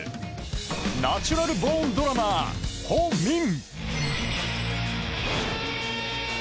ナチュラルボーンドラマー、ホ・ミン。